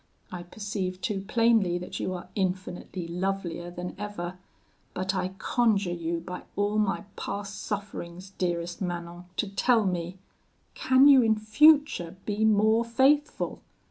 I perceive too plainly that you are infinitely lovelier than ever: but I conjure you by all my past sufferings, dearest Manon, to tell me can you in future be more faithful?'